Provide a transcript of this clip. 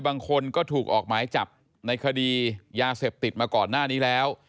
บางคนก็ถูกออกหมายจับในคดียาเสพติดมาก่อนหน้านี้แล้ว